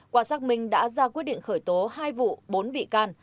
quả xác minh đã ra quyết định khởi tố hai vụ bốn bị can